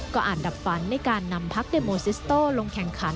ก็อาจดับฝันในการนำพักเดโมซิสโต้ลงแข่งขัน